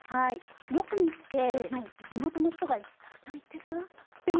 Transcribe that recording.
よく見て地元の人がたくさん行ってるなっていうようなところ。